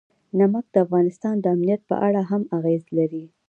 نمک د افغانستان د امنیت په اړه هم اغېز لري.